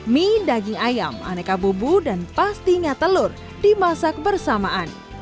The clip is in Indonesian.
mie daging ayam aneka bubu dan pastinya telur dimasak bersamaan